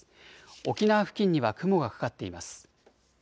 沖縄付近には雲がかかっています。